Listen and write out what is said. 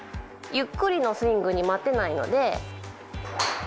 ゆっくりのスイングに待てないので。